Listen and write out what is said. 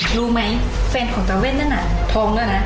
รู้ไหมเฟนของเธอเว่นนั้นอ่ะท้องแล้วนะ